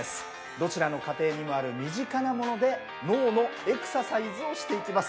どちらの家庭にもある身近なもので脳のエクササイズをしていきます。